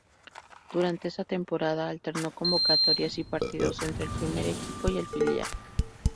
Durante esa temporada, alterno convocatorias y partidos entre el primer equipo y el filial.